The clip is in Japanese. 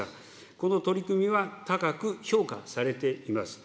この取り組みは高く評価されています。